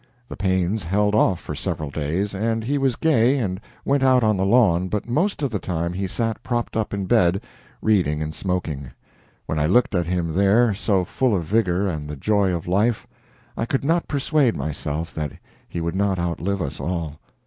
The pains held off for several days, and he was gay and went out on the lawn, but most of the time he sat propped up in bed, reading and smoking. When I looked at him there, so full of vigor and the joy of life, I could not persuade myself that he would not outlive us all.